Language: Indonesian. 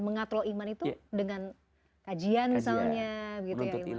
mengatur iman itu dengan kajian misalnya